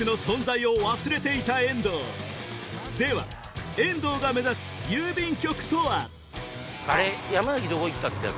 では遠藤が目指す郵便局とは？